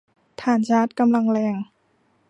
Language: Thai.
ถ่านชาร์จกำลังแรง